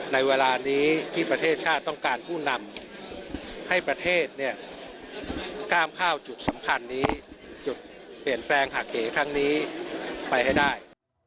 ในเวลานี้ที่ประเทศชาติต้องการผู้นำให้ประเทศเนี่ยกล้ามข้าวจุดสำคัญนี้จุดเปลี่ยนแปลงหักเหครั้งนี้ไปให้ได้